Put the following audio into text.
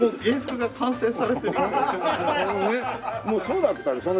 もうそうだったよ